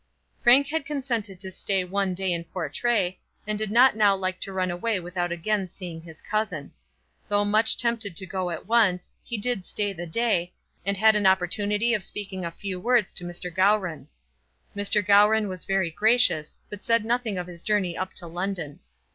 Frank had consented to stay one day at Portray, and did not now like to run away without again seeing his cousin. Though much tempted to go at once, he did stay the day, and had an opportunity of speaking a few words to Mr. Gowran. Mr. Gowran was very gracious, but said nothing of his journey up to London.